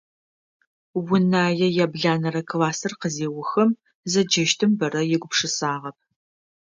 Унае яблэнэрэ классыр къызеухым, зэджэщтым бэрэ егупшысагъэп.